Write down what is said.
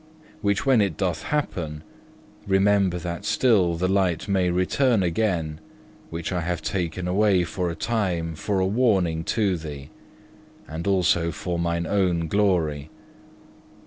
Which when it doth happen, remember that still the light may return again, which I have taken away for a time for a warning to thee, and also for mine own glory.